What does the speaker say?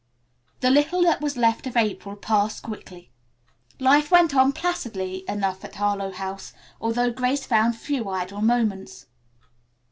The little that was left of April passed quickly. Life went on placidly enough at Harlowe House, although Grace found few idle moments.